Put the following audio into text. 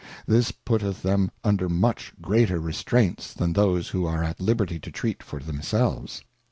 This putteth them under much greater restraints, than those who are at liberty to treat for themselves.